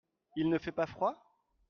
Il ne fait pas froid ?